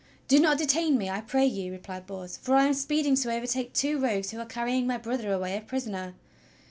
"Do not detain me, I pray you," replied Bors, "for I am speeding to overtake two rogues who are carrying my brother away a prisoner!"